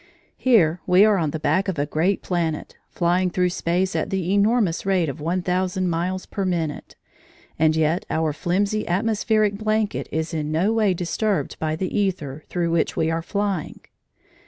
Here we are on the back of a great planet, flying through space at the enormous rate of one thousand miles per minute, and yet our flimsy atmospheric blanket is in no way disturbed by the æther through which we are flying.